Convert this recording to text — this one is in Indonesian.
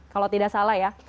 kalau tidak salah ya